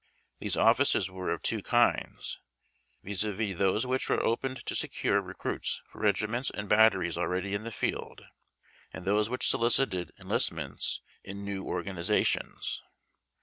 These offices were of two kinds, viz. : those which were opened to secure I'ccruits for regiments and batteries already in the field, and those which solicited enlistments in new organizations.